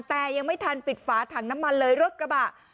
แต่ยังไม่ทันปิดฝาถังน้ำมันเลยรถกระบะ